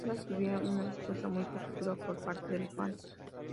Estas tuvieron una respuesta muy positiva por parte de los fans.